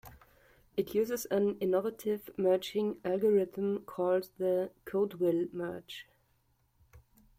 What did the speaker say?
It uses an innovative merging algorithm called the "Codeville merge".